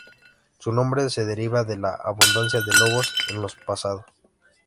Su nombre se deriva de la abundancia de lobos en el pasado.